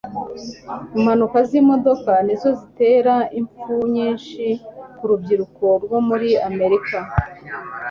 Impanuka zimodoka nizo zitera impfu nyinshi ku rubyiruko rwo muri Amerika